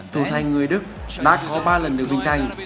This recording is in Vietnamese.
thủ thanh người đức đã có ba lần được vinh danh